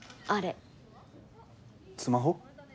スマホ？